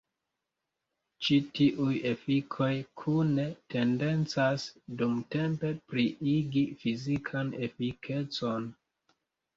Ĉi tiuj efikoj kune tendencas dumtempe pliigi fizikan efikecon.